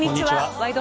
「ワイド！